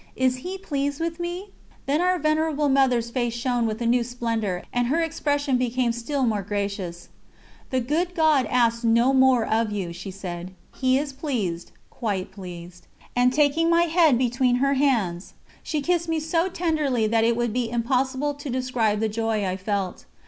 Is He pleased with me?" Then our Venerable Mother's face shone with a new splendour, and her expression became still more gracious: "The Good God asks no more of you," she said, "He is pleased, quite pleased," and, taking my head between her hands, she kissed me so tenderly that it would be impossible to describe the joy I felt.